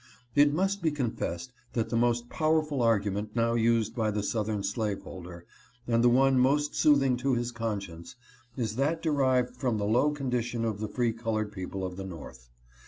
It must be confessed that the most powerful argument now used by the southern slaveholder, and the one most soothing to his conscience, is that derived from the low condition of the free colored people of the North.